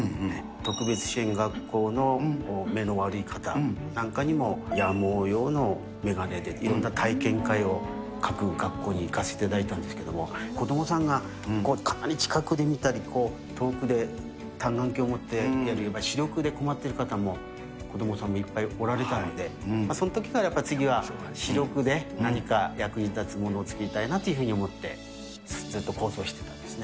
特別支援学校の目の悪い方なんかも、夜盲用の眼鏡で、体験会を各学校に行かせていただいたんですけれども、子どもさんがかなり近くで見たり、遠くで単眼鏡持ってやるような、視力で困ってるような子どもさんもいっぱいおられたので、そのときからやっぱり、次は何か役に立つものを作りたいなと思って、ずっと構想してたんですね。